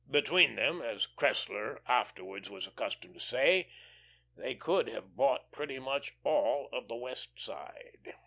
Between them, as Cressler afterwards was accustomed to say, "They could have bought pretty much all of the West Side."